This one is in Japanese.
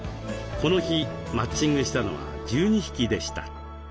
この日マッチングしたのは１２匹でした。